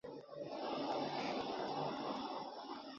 费斯滕贝尔格斯格罗伊特是德国巴伐利亚州的一个市镇。